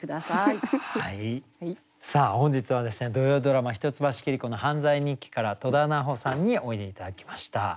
さあ本日は土曜ドラマ「一橋桐子の犯罪日記」から戸田菜穂さんにおいで頂きました。